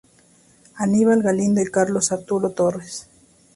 Aníbal Galindo y Carlos Arturo Torres.